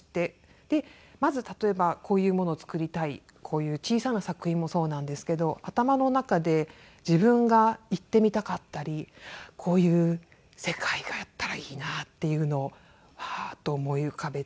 でまず例えばこういうものを作りたいこういう小さな作品もそうなんですけど頭の中で自分が行ってみたかったりこういう世界があったらいいなっていうのをワーッと思い浮かべて。